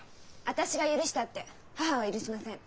私が許したって母は許しません。